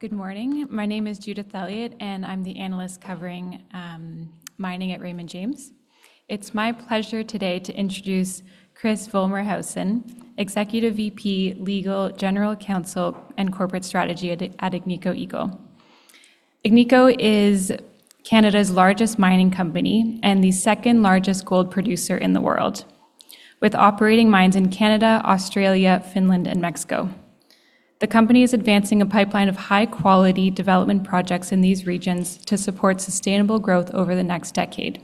Good morning. My name is Judith Elliott, and I'm the analyst covering mining at Raymond James. It's my pleasure today to introduce Chris Vollmershausen, Executive VP, Legal General Counsel and Corporate Strategy at Agnico Eagle. Agnico is Canada's largest mining company and the second-largest gold producer in the world, with operating mines in Canada, Australia, Finland, and Mexico. The company is advancing a pipeline of high-quality development projects in these regions to support sustainable growth over the next decade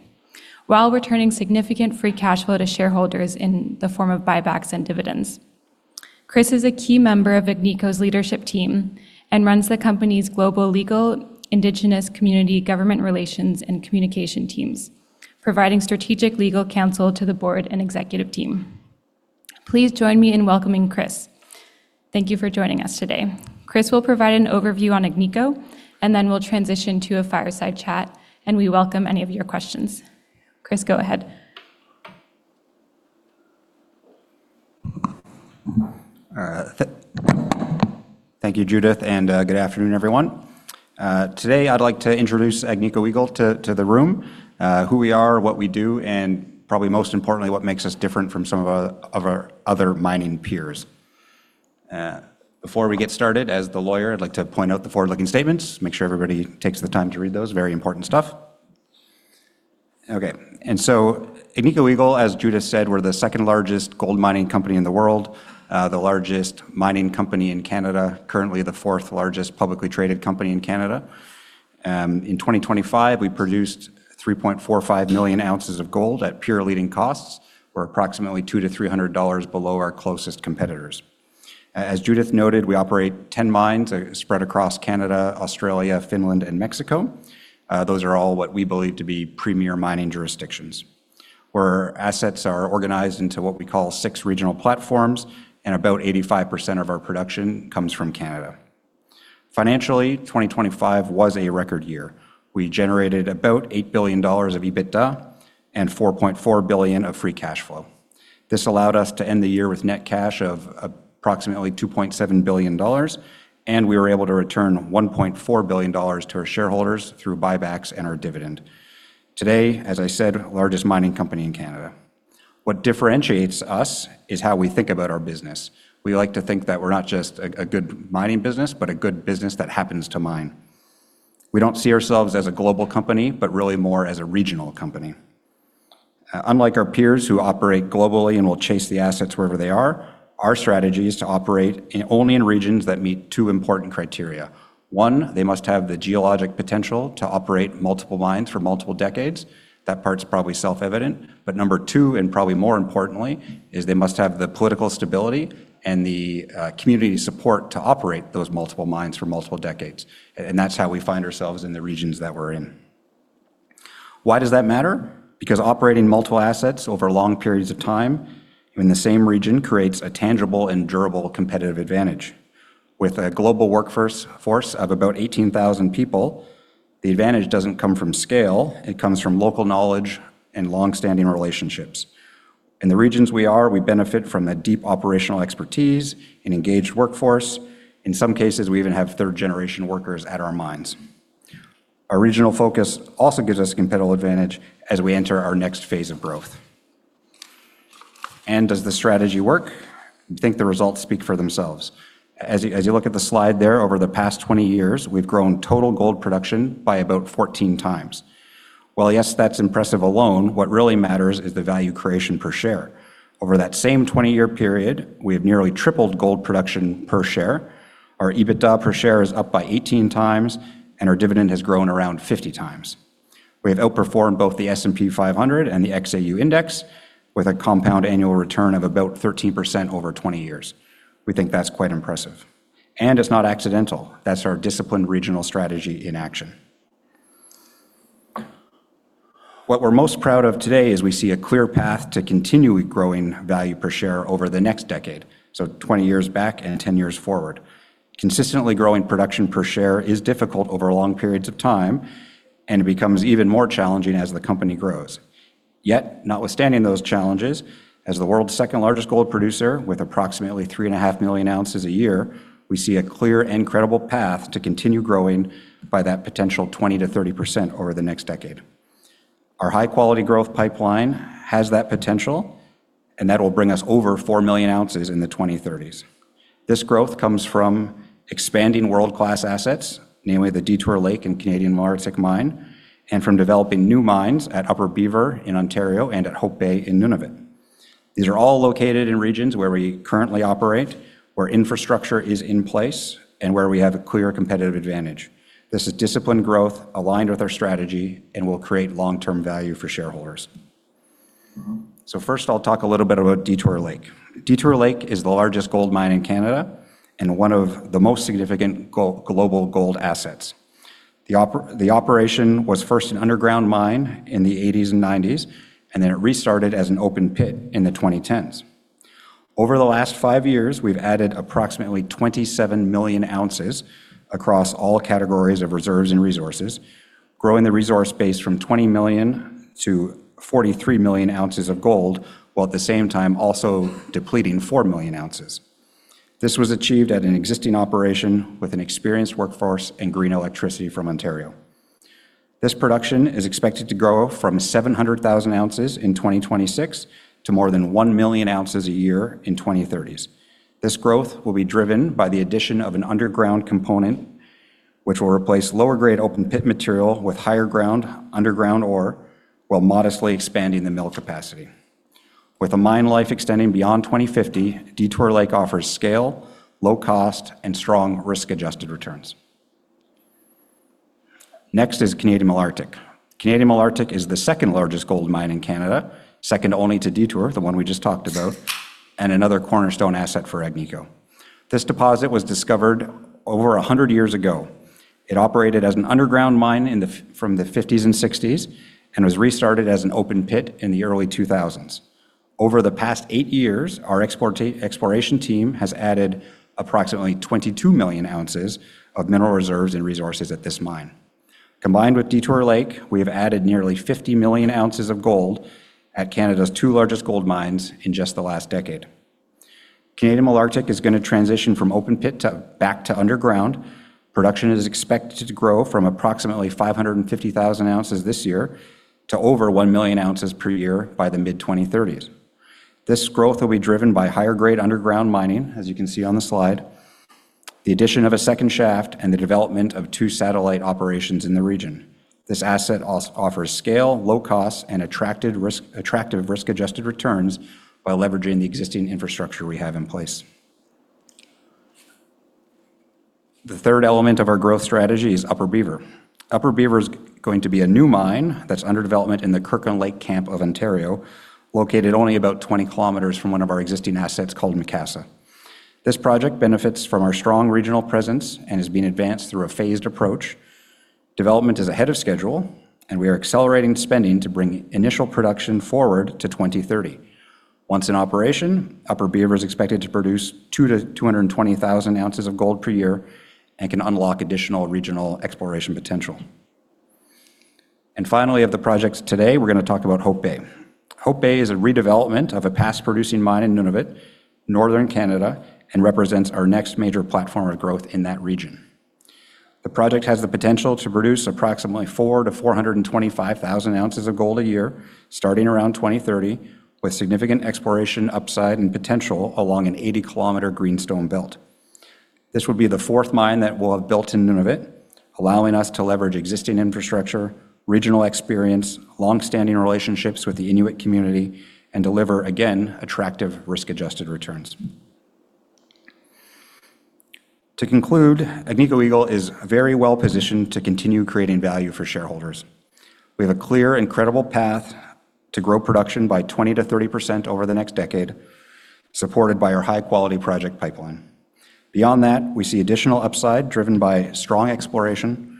while returning significant free cash flow to shareholders in the form of buybacks and dividends. Chris is a key member of Agnico's leadership team and runs the company's global legal, Indigenous community government relations, and communication teams, providing strategic legal counsel to the board and executive team. Please join me in welcoming Chris. Thank you for joining us today. Chris will provide an overview on Agnico, and then we'll transition to a fireside chat, and we welcome any of your questions. Chris, go ahead. All right. Thank you, Judith, and good afternoon, everyone. Today I'd like to introduce Agnico Eagle to the room, who we are, what we do, and probably most importantly, what makes us different from some of our other mining peers. Before we get started, as the lawyer, I'd like to point out the forward-looking statements, make sure everybody takes the time to read those. Very important stuff. Okay. Agnico Eagle, as Judith said, we're the second-largest gold mining company in the world, the largest mining company in Canada, currently the fourth-largest publicly traded company in Canada. In 2025, we produced 3.45 million ounces of gold at peer-leading costs. We're approximately $200-$300 below our closest competitors. As Judith noted, we operate 10 mines, spread across Canada, Australia, Finland, and Mexico. Those are all what we believe to be premier mining jurisdictions, where assets are organized into what we call six regional platforms. About 85% of our production comes from Canada. Financially, 2025 was a record year. We generated about $8 billion of EBITDA and $4.4 billion of free cash flow. This allowed us to end the year with net cash of approximately $2.7 billion, and we were able to return $1.4 billion to our shareholders through buybacks and our dividend. Today, as I said, largest mining company in Canada. What differentiates us is how we think about our business. We like to think that we're not just a good mining business, but a good business that happens to mine. We don't see ourselves as a global company, but really more as a regional company. Unlike our peers who operate globally and will chase the assets wherever they are, our strategy is to operate only in regions that meet two important criteria. One, they must have the geologic potential to operate multiple mines for multiple decades. That part's probably self-evident. Number two, and probably more importantly, is they must have the political stability and the community support to operate those multiple mines for multiple decades, and that's how we find ourselves in the regions that we're in. Why does that matter? Because operating multiple assets over long periods of time in the same region creates a tangible and durable competitive advantage. With a global workforce of about 18,000 people, the advantage doesn't come from scale, it comes from local knowledge and long-standing relationships. In the regions we are, we benefit from a deep operational expertise and engaged workforce. In some cases, we even have third-generation workers at our mines. Our regional focus also gives us competitive advantage as we enter our next phase of growth. Does the strategy work? I think the results speak for themselves. As you look at the slide there, over the past 20 years, we've grown total gold production by about 14 times. While yes, that's impressive alone, what really matters is the value creation per share. Over that same 20-year period, we have nearly tripled gold production per share. Our EBITDA per share is up by 18 times, and our dividend has grown around 50 times. We have outperformed both the S&P 500 and the XAU index with a compound annual return of about 13% over 20 years. We think that's quite impressive. It's not accidental. That's our disciplined regional strategy in action. What we're most proud of today is we see a clear path to continuing growing value per share over the next decade, so 20 years back and 10 years forward. Consistently growing production per share is difficult over long periods of time, and it becomes even more challenging as the company grows. Notwithstanding those challenges, as the world's second-largest gold producer with approximately 3.5 million ounces a year, we see a clear and credible path to continue growing by that potential 20%-30% over the next decade. Our high-quality growth pipeline has that potential, and that will bring us over 4 million ounces in the 2030s. This growth comes from expanding world-class assets, namely the Detour Lake and Canadian Malartic mine, and from developing new mines at Upper Beaver in Ontario and at Hope Bay in Nunavut. These are all located in regions where we currently operate, where infrastructure is in place, and where we have a clear competitive advantage. This is disciplined growth aligned with our strategy and will create long-term value for shareholders. First, I'll talk a little bit about Detour Lake. Detour Lake is the largest gold mine in Canada and one of the most significant global gold assets. The operation was first an underground mine in the 80s and 90s, and then it restarted as an open pit in the 2010s. Over the last five years, we've added approximately 27 million ounces across all categories of reserves and resources, growing the resource base from 20 million-43 million ounces of gold, while at the same time also depleting 4 million ounces. This was achieved at an existing operation with an experienced workforce and green electricity from Ontario. This production is expected to grow from 700,000 ounces in 2026 to more than 1 million ounces a year in 2030s. This growth will be driven by the addition of an underground component, which will replace lower grade open pit material with higher ground underground ore while modestly expanding the mill capacity. With a mine life extending beyond 2050, Detour Lake offers scale, low cost, and strong risk-adjusted returns. Next is Canadian Malartic. Canadian Malartic is the second largest gold mine in Canada, second only to Detour, the one we just talked about, and another cornerstone asset for Agnico. This deposit was discovered over 100 years ago. It operated as an underground mine from the 50s and 60s and was restarted as an open pit in the early 2000s. Over the past 8 years, our exploration team has added approximately 22 million ounces of mineral reserves and resources at this mine. Combined with Detour Lake, we have added nearly 50 million ounces of gold at Canada's 2 largest gold mines in just the last decade. Canadian Malartic is gonna transition from open pit to back to underground. Production is expected to grow from approximately 550,000 ounces this year to over 1 million ounces per year by the mid-2030s. This growth will be driven by higher grade underground mining, as you can see on the slide, the addition of a second shaft, and the development of 2 satellite operations in the region. This asset offers scale, low cost, and attractive risk-adjusted returns by leveraging the existing infrastructure we have in place. The third element of our growth strategy is Upper Beaver. Upper Beaver is going to be a new mine that's under development in the Kirkland Lake camp of Ontario, located only about 20 kilometers from one of our existing assets called Macassa. This project benefits from our strong regional presence and is being advanced through a phased approach. Development is ahead of schedule, and we are accelerating spending to bring initial production forward to 2030. Once in operation, Upper Beaver is expected to produce 200,000-220,000 ounces of gold per year and can unlock additional regional exploration potential. Finally, of the projects today, we're gonna talk about Hope Bay. Hope Bay is a redevelopment of a past producing mine in Nunavut, northern Canada, and represents our next major platform of growth in that region. The project has the potential to produce approximately 400,000-425,000 ounces of gold a year starting around 2030 with significant exploration upside and potential along an 80-kilometer greenstone belt. This will be the fourth mine that we'll have built in Nunavut, allowing us to leverage existing infrastructure, regional experience, long-standing relationships with the Inuit community, deliver, again, attractive risk-adjusted returns. To conclude, Agnico Eagle is very well-positioned to continue creating value for shareholders. We have a clear and credible path to grow production by 20%-30% over the next decade, supported by our high-quality project pipeline. Beyond that, we see additional upside driven by strong exploration,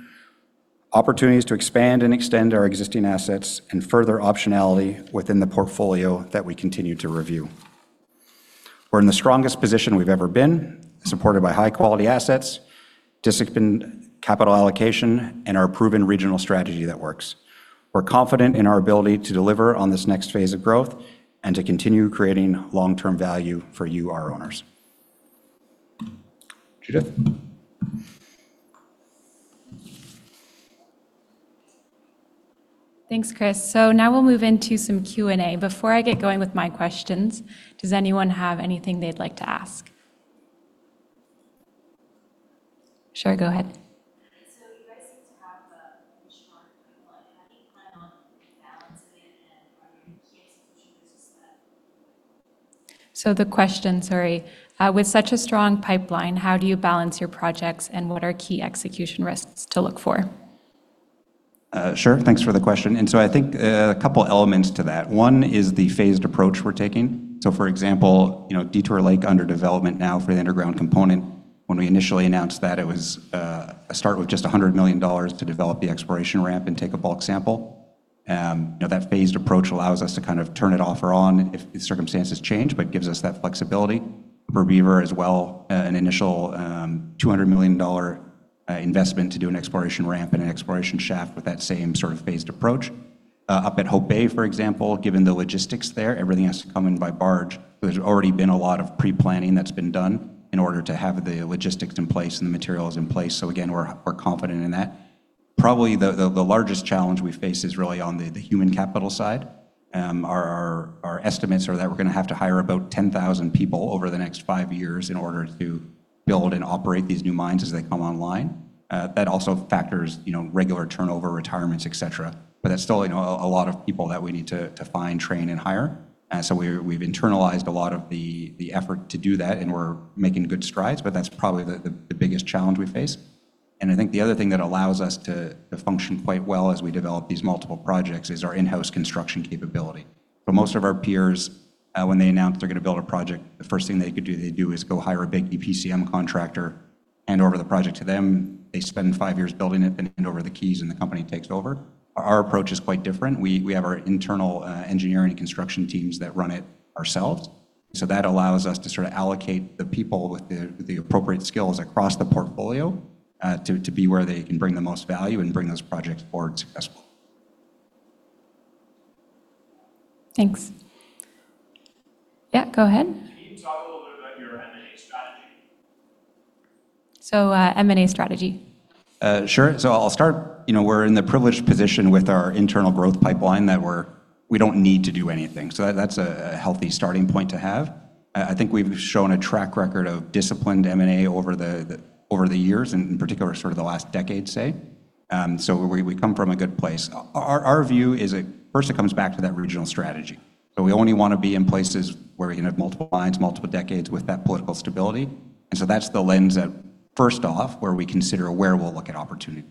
opportunities to expand and extend our existing assets, and further optionality within the portfolio that we continue to review. We're in the strongest position we've ever been, supported by high-quality assets, disciplined capital allocation, and our proven regional strategy that works. We're confident in our ability to deliver on this next phase of growth and to continue creating long-term value for you, our owners. Judith? Thanks, Chris. Now we'll move into some Q&A. Before I get going with my questions, does anyone have anything they'd like to ask? Sure, go ahead. You guys seem to have a pretty strong pipeline. How do you plan on balancing it, and are there key execution risks to look for? The question, sorry, with such a strong pipeline, how do you balance your projects, and what are key execution risks to look for? Sure. Thanks for the question. I think a couple elements to that. One is the phased approach we're taking. For example, you know, Detour Lake under development now for the underground component, when we initially announced that it was a start with just $100 million to develop the exploration ramp and take a bulk sample. You know, that phased approach allows us to kind of turn it off or on if circumstances change, but gives us that flexibility. Upper Beaver as well, an initial $200 million investment to do an exploration ramp and an exploration shaft with that same sort of phased approach. Up at Hope Bay, for example, given the logistics there, everything has to come in by barge. There's already been a lot of pre-planning that's been done in order to have the logistics in place and the materials in place. Again, we're confident in that. Probably the largest challenge we face is really on the human capital side. Our estimates are that we're gonna have to hire about 10,000 people over the next five years in order to build and operate these new mines as they come online. That also factors regular turnover, retirements, et cetera. That's still a lot of people that we need to find, train, and hire. We've internalized a lot of the effort to do that, and we're making good strides, but that's probably the, the biggest challenge we face. I think the other thing that allows us to function quite well as we develop these multiple projects is our in-house construction capability. For most of our peers, when they announce they're going to build a project, the first thing they do is go hire a big EPCM contractor, hand over the project to them. They spend five years building it, then hand over the keys, and the company takes over. Our approach is quite different. We have our internal engineering construction teams that run it ourselves. That allows us to sort of allocate the people with the appropriate skills across the portfolio, to be where they can bring the most value and bring those projects forward successfully. Thanks. Yeah, go ahead. Can you talk a little bit about your M&A strategy? M&A strategy. Sure. I'll start. We're in the privileged position with our internal growth pipeline that we don't need to do anything. That's a healthy starting point to have. I think we've shown a track record of disciplined M&A over the years, in particular sort of the last decade, say. We come from a good place. Our view is first it comes back to that regional strategy. We only wanna be in places where we can have multiple mines, multiple decades with that political stability. That's the lens that first off, where we consider where we'll look at opportunity.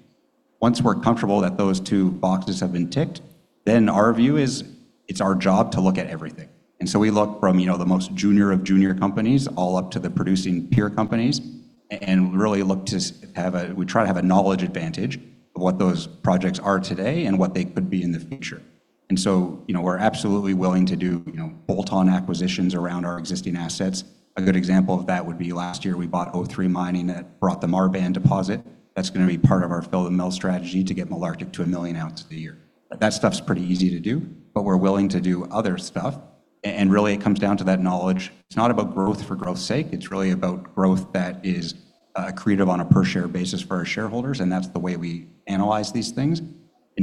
Once we're comfortable that those two boxes have been ticked, our view is it's our job to look at everything. We look from the most junior of junior companies all up to the producing peer companies and really we try to have a knowledge advantage of what those projects are today and what they could be in the future. We're absolutely willing to do, you know, bolt-on acquisitions around our existing assets. A good example of that would be last year we bought O3 Mining that brought the Marban deposit. That's going to be part of our fill-the-mill strategy to get Malartic to 1 million ounces a year. That stuff's pretty easy to do, but we're willing to do other stuff. Really it comes down to that knowledge. It's not about growth for growth's sake. It's really about growth that is accretive on a per share basis for our shareholders. That's the way we analyze these things.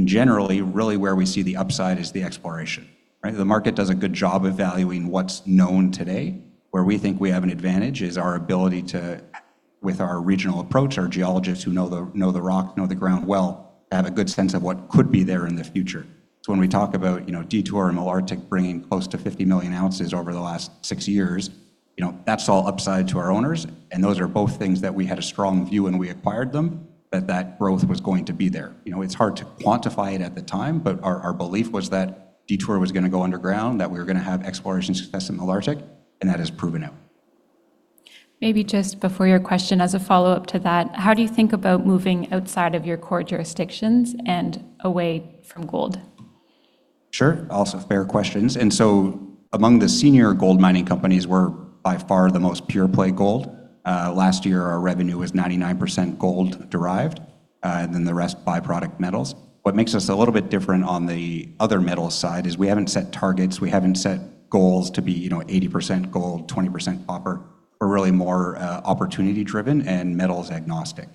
Generally, really where we see the upside is the exploration, right? The market does a good job of valuing what's known today. Where we think we have an advantage is our ability to, with our regional approach, our geologists who know the rock, know the ground well, have a good sense of what could be there in the future. When we talk about Detour and Malartic bringing close to 50 million ounces over the last six years, that's all upside to our owners, and those are both things that we had a strong view when we acquired them that growth was going to be there. It's hard to quantify it at the time, but our belief was that Detour was going to go underground, that we were going to have exploration success in Malartic, and that has proven out. Maybe just before your question, as a follow-up to that, how do you think about moving outside of your core jurisdictions and away from gold? Sure. Also fair questions. Among the senior gold mining companies, we're by far the most pure play gold. Last year our revenue was 99% gold derived, the rest byproduct metals. What makes us a little bit different on the other metal side is we haven't set targets. We haven't set goals to be, you know, 80% gold, 20% copper. We're really more opportunity driven and metals agnostic.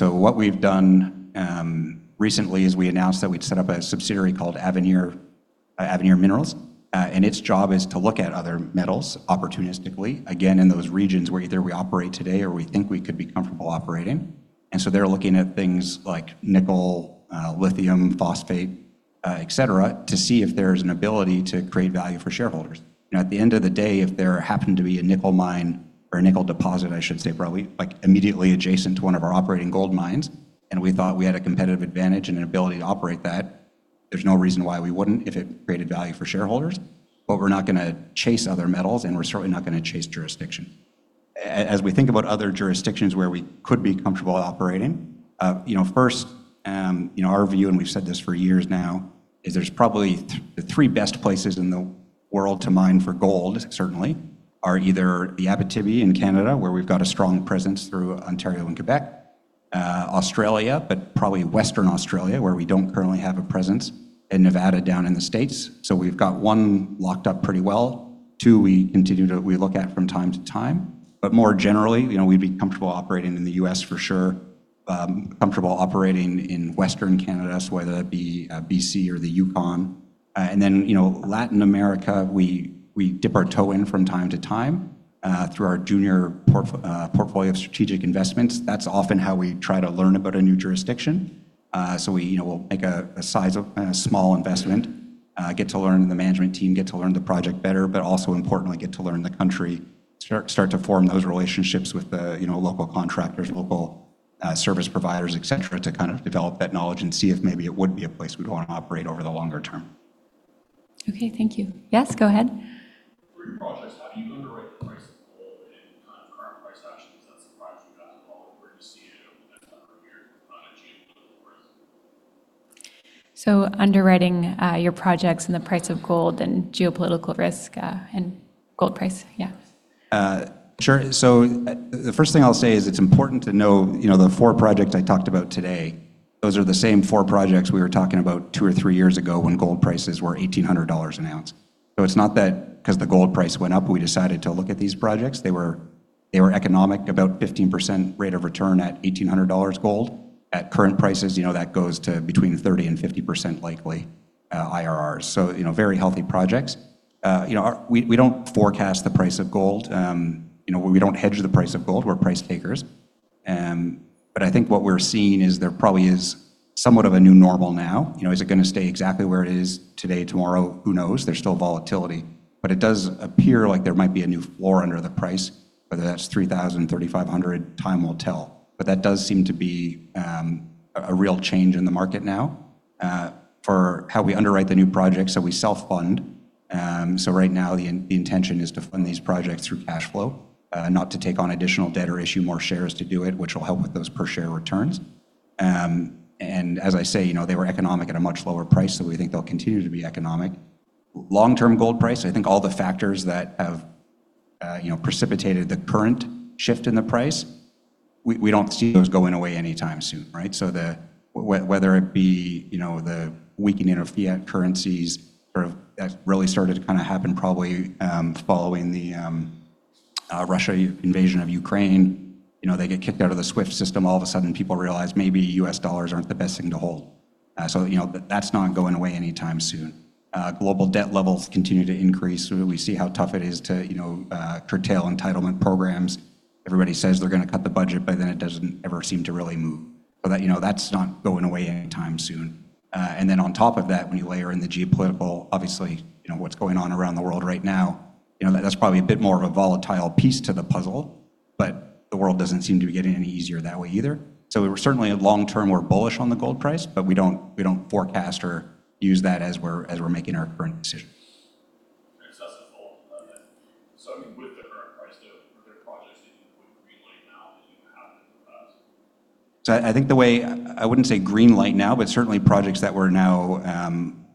What we've done recently is we announced that we'd set up a subsidiary called Avenir Minerals, and its job is to look at other metals opportunistically, again, in those regions where either we operate today or we think we could be comfortable operating. They're looking at things like nickel, lithium, phosphate, et cetera, to see if there's an ability to create value for shareholders. At the end of the day, if there happened to be a nickel mine or a nickel deposit, I should say, probably like immediately adjacent to one of our operating gold mines, and we thought we had a competitive advantage and an ability to operate that, there's no reason why we wouldn't if it created value for shareholders. We're not gonna chase other metals, and we're certainly not gonna chase jurisdiction. As we think about other jurisdictions where we could be comfortable operating, you know, first, you know, our view, and we've said this for years now, is there's probably the three best places in the world to mine for gold, certainly, are either the Abitibi in Canada, where we've got a strong presence through Ontario and Quebec, Australia, but probably Western Australia, where we don't currently have a presence, and Nevada down in the States. We've got one locked up pretty well, two we continue to look at from time to time. More generally, you know, we'd be comfortable operating in the U.S. for sure, comfortable operating in Western Canada, so whether that be, B.C. or the Yukon. Latin America, we dip our toe in from time to time through our junior portfolio of strategic investments. That's often how we try to learn about a new jurisdiction. We'll make a small investment, get to learn the management team, get to learn the project better, but also importantly get to learn the country, to form those relationships with the local contractors, local service providers, et cetera, to kind of develop that knowledge and see if maybe it would be a place we'd want to operate over the longer term. Okay, thank you. Yes, go ahead. For your projects, how do you underwrite the price of gold in kind of current price actions that surprise you guys at all, or you see it as an opportunity, geopolitical risk? Underwriting, your projects and the price of gold and geopolitical risk, and gold price. Yeah. The first thing I'll say is it's important to know the four projects I talked about today, those are the same 4 projects we were talking about two or three years ago when gold prices were $1,800 an ounce. It's not that 'cause the gold price went up, we decided to look at these projects. They were economic, about 15% rate of return at $1,800 gold. At current prices, you know, that goes to between 30% and 50% likely IRRs. You know, very healthy projects. We don't forecast the price of gold. We don't hedge the price of gold. We're price takers. I think what we're seeing is there probably is somewhat of a new normal now. Is it gonna stay exactly where it is today, tomorrow? Who knows? There's still volatility. It does appear like there might be a new floor under the price, whether that's $3,000, $3,500, time will tell. That does seem to be a real change in the market now for how we underwrite the new projects that we self-fund. Right now the intention is to fund these projects through cash flow, not to take on additional debt or issue more shares to do it, which will help with those per share returns. As I say, you know, they were economic at a much lower price, so we think they'll continue to be economic. Long-term gold price, I think all the factors that have, you know, precipitated the current shift in the price, we don't see those going away anytime soon, right? Whether it be, you know, the weakening of fiat currencies or that really started to kind of happen probably following the Russia invasion of Ukraine. They get kicked out of the SWIFT system, all of a sudden people realize maybe U.S. dollars aren't the best thing to hold. That's not going away anytime soon. Global debt levels continue to increase. We see how tough it is to, you know, curtail entitlement programs. Everybody says they're going to cut the budget, it doesn't ever seem to really move. That's not going away anytime soon. On top of that, when you layer in the geopolitical, obviously, you know, what's going on around the world right now, you know, that's probably a bit more of a volatile piece to the puzzle, but the world doesn't seem to be getting any easier that way either. We're certainly long-term, we're bullish on the gold price, but we don't, we don't forecast or use that as we're, as we're making our current decisions. Accessible. I mean, with the current price though, are there projects that you would green light now that you haven't in the past? I wouldn't say green light now, but certainly projects that we're now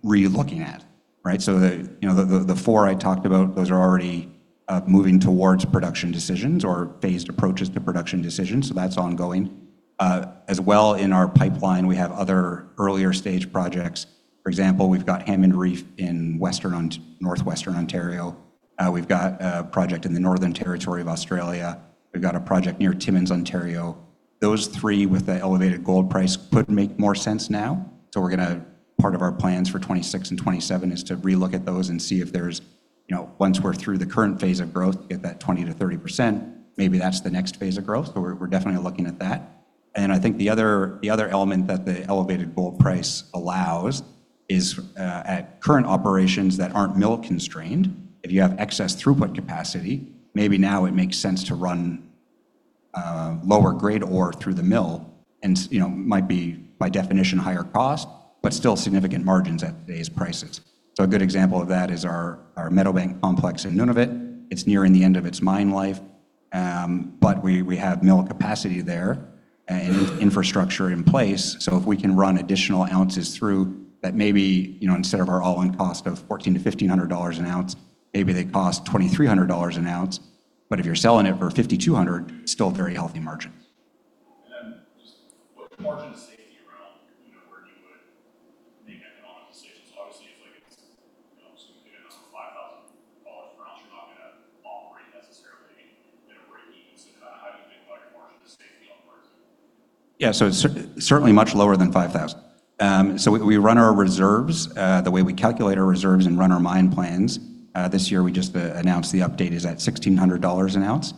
re-looking at, right? The, you know, the 4 I talked about, those are already moving towards production decisions or phased approaches to production decisions, so that's ongoing. As well in our pipeline, we have other earlier stage projects. For example, we've got Hammond Reef in Northwestern Ontario. We've got a project in the Northern Territory of Australia. We've got a project near Timmins, Ontario. Those three with the elevated gold price could make more sense now. Part of our plans for 2026 and 2027 is to relook at those and see if there's, you know, once we're through the current phase of growth to get that 20%-30%, maybe that's the next phase of growth. We're definitely looking at that. I think the other element that the elevated gold price allows is at current operations that aren't mill constrained, if you have excess throughput capacity, maybe now it makes sense to run lower grade ore through the mill and you know, might be by definition higher cost, but still significant margins at today's prices. A good example of that is our Meadowbank Complex in Nunavut. It's nearing the end of its mine life, but we have mill capacity there and infrastructure in place. If we can run additional ounces through that maybe, you know, instead of our all-in cost of $1,400-$1,500 an ounce, maybe they cost $2,300 an ounce. If you're selling it for $5,200, still a very healthy margin. Just what margin of safety around, you know, where you would make economic decisions? Obviously, if like it's, you know, even if it's at $5,000 per ounce, you're not gonna operate necessarily at a break even. Kind of how you think about your margin of safety on price. Yeah. So certainly much lower than $5,000. So we run our reserves, the way we calculate our reserves and run our mine plans, this year we just announced the update is at $1,600 an ounce.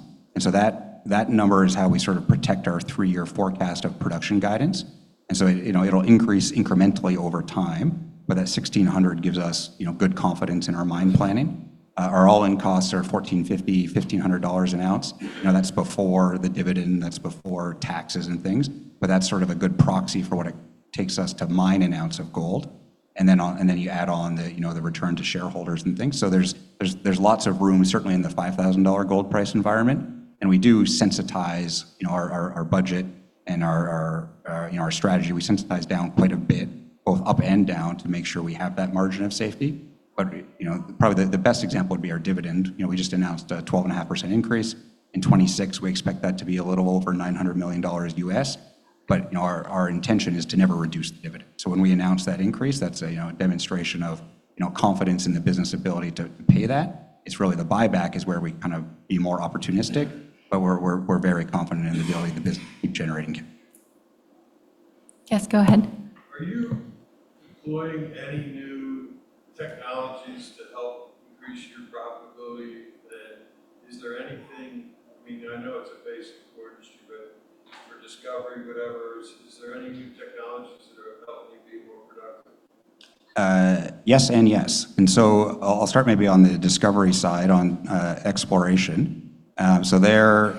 That number is how we sort of protect our three-year forecast of production guidance. You know, it'll increase incrementally over time, but that 1,600 gives us, you know, good confidence in our mine planning. Our all-in costs are $1,450-$1,500 an ounce. You know, that's before the dividend, that's before taxes and things, but that's sort of a good proxy for what it takes us to mine an ounce of gold. Then you add on the, you know, the return to shareholders and things. There's lots of room certainly in the $5,000 gold price environment. We do sensitize, you know, our budget and our, you know, our strategy. We sensitize down quite a bit, both up and down, to make sure we have that margin of safety. You know, probably the best example would be our dividend. You know, we just announced a 12.5% increase. In 2026, we expect that to be a little over $900 million US. You know, our intention is to never reduce the dividend. When we announce that increase, that's a, you know, a demonstration of, you know, confidence in the business ability to pay that. It's really the buyback is where we kind of be more opportunistic, but we're very confident in the ability of the business to keep generating cash. Yes, go ahead. Are you deploying any new technologies to help increase your profitability? I mean, I know it's a basic core industry, but for discovery, whatever, is there any new technologies that are helping you be more productive? Yes and yes. I'll start maybe on the discovery side on exploration. There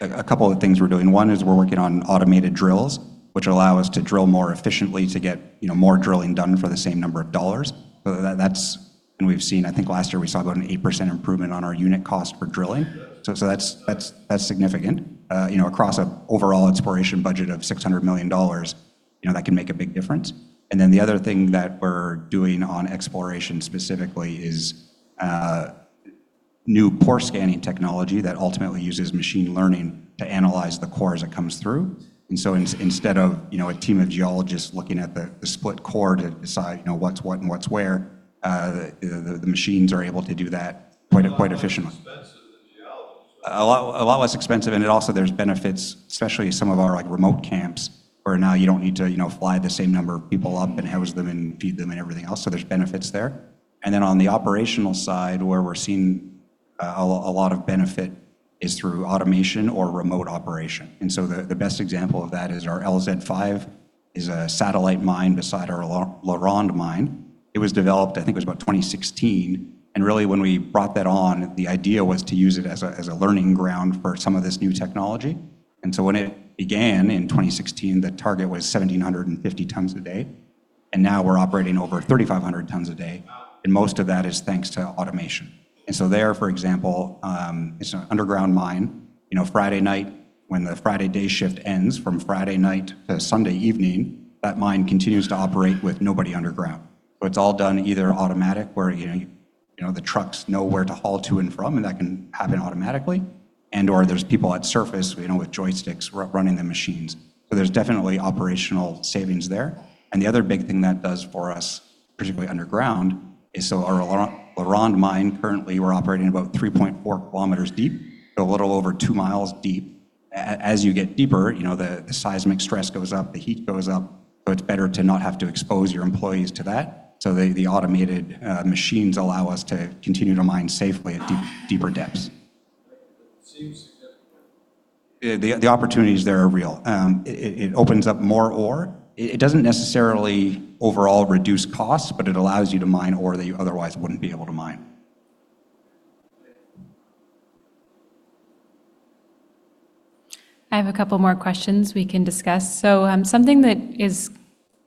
a couple of things we're doing. One is we're working on automated drills, which allow us to drill more efficiently to get, you know, more drilling done for the same number of dollars. And we've seen, I think last year we saw about an 8% improvement on our unit cost for drilling. That's significant. You know, across a overall exploration budget of $600 million, you know, that can make a big difference. The other thing that we're doing on exploration specifically is new core scanning technology that ultimately uses machine learning to analyze the core as it comes through. Instead of, you know, a team of geologists looking at the split core to decide, you know, what's what and what's where, the machines are able to do that quite efficiently. A lot less expensive than geologists. A lot less expensive. It also there's benefits, especially some of our like remote camps where now you don't need to, you know, fly the same number of people up and house them and feed them and everything else. There's benefits there. On the operational side, where we're seeing a lot of benefit is through automation or remote operation. The best example of that is our LZ5 is a satellite mine beside our LaRonde mine. It was developed, I think it was about 2016, and really when we brought that on, the idea was to use it as a learning ground for some of this new technology. when it began in 2016, the target was 1,750 tons a day. Now we're operating over 3,500 tons a day, and most of that is thanks to automation. there, for example, it's an underground mine. You know, Friday night when the Friday day shift ends, from Friday night to Sunday evening, that mine continues to operate with nobody underground. it's all done either automatic where, you know, you know, the trucks know where to haul to and from, and that can happen automatically, and/or there's people at surface, you know, with joysticks running the machines. there's definitely operational savings there. the other big thing that does for us, particularly underground, is our LaRonde mine, currently we're operating about 3.4 kilometers deep, so a little over 2 miles deep. As you get deeper, you know, the seismic stress goes up, the heat goes up, so it's better to not have to expose your employees to that. The, the automated machines allow us to continue to mine safely at deeper depths. It seems significant. The opportunities there are real. It opens up more ore. It doesn't necessarily overall reduce costs, but it allows you to mine ore that you otherwise wouldn't be able to mine. Okay. I have a couple more questions we can discuss. Something that is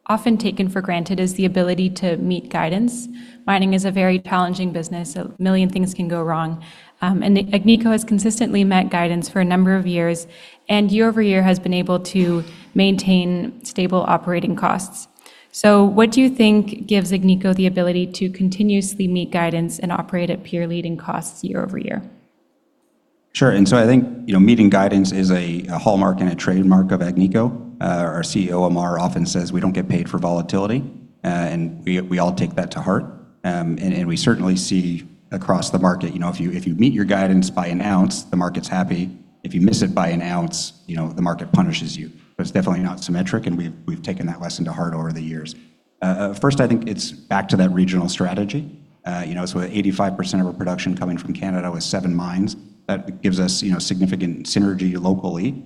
often taken for granted is the ability to meet guidance. Mining is a very challenging business, a million things can go wrong. And Agnico has consistently met guidance for a number of years, and year-over-year has been able to maintain stable operating costs. What do you think gives Agnico the ability to continuously meet guidance and operate at peer-leading costs year-over-year? Sure. I think, you know, meeting guidance is a hallmark and a trademark of Agnico. Our CEO, Ammar, often says, "We don't get paid for volatility," and we all take that to heart. And we certainly see across the market, you know, if you, if you meet your guidance by an ounce, the market's happy. If you miss it by an ounce, you know, the market punishes you. It's definitely not symmetric, and we've taken that lesson to heart over the years. First, I think it's back to that regional strategy. You know, so 85% of our production coming from Canada with seven mines, that gives us, you know, significant synergy locally,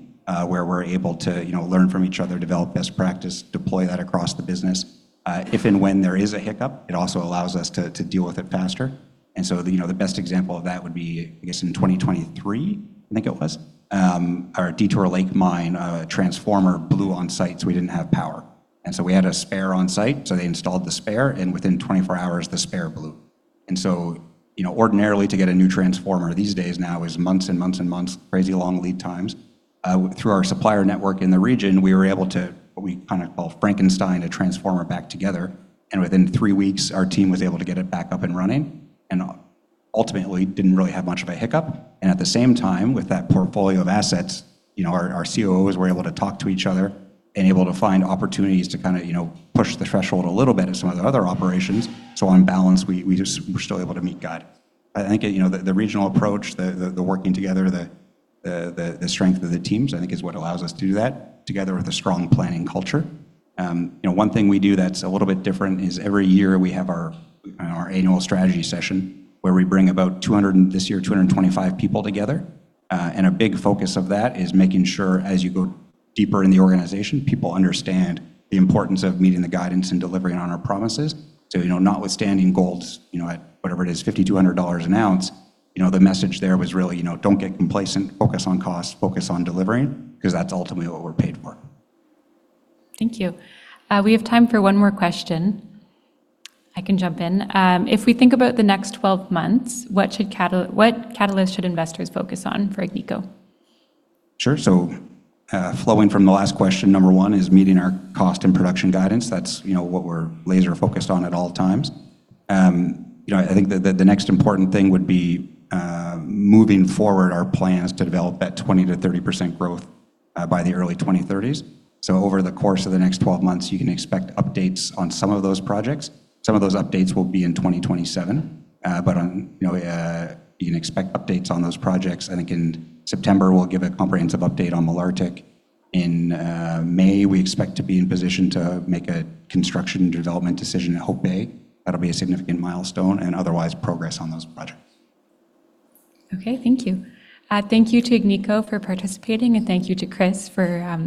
where we're able to, you know, learn from each other, develop best practice, deploy that across the business. If and when there is a hiccup, it also allows us to deal with it faster. You know, the best example of that would be, I guess, in 2023, I think it was, our Detour Lake mine, a transformer blew on site, so we didn't have power. We had a spare on site, so they installed the spare, and within 24 hours, the spare blew. You know, ordinarily, to get a new transformer these days now is months and months and months, crazy long lead times. Through our supplier network in the region, we were able to, what we kinda call Frankenstein a transformer back together, and within 3 weeks our team was able to get it back up and running, and ultimately didn't really have much of a hiccup. At the same time, with that portfolio of assets, you know, our COOs were able to talk to each other and able to find opportunities to kinda, you know, push the threshold a little bit at some of the other operations. On balance, we're still able to meet guide. I think, you know, the regional approach, the working together, the strength of the teams, I think is what allows us to do that together with a strong planning culture. You know, one thing we do that's a little bit different is every year we have our annual strategy session where we bring about this year, 225 people together. A big focus of that is making sure as you go deeper in the organization, people understand the importance of meeting the guidance and delivering on our promises. Notwithstanding gold's, you know, at whatever it is, $5,200 an ounce, you know, the message there was really, you know, don't get complacent, focus on cost, focus on delivering, because that's ultimately what we're paid for. Thank you. We have time for one more question. I can jump in. If we think about the next 12 months, what catalyst should investors focus on for Agnico? Sure. Flowing from the last question, number one is meeting our cost and production guidance. That's, you know, what we're laser focused on at all times. You know, I think the next important thing would be moving forward our plans to develop that 20%-30% growth by the early 2030s. Over the course of the next 12 months, you can expect updates on some of those projects. Some of those updates will be in 2027. You know, you can expect updates on those projects. I think in September, we'll give a comprehensive update on Malartic. In May, we expect to be in position to make a construction development decision at Hope Bay. That'll be a significant milestone and otherwise progress on those projects. Okay, thank you. Thank you to Agnico for participating, and thank you to Chris for.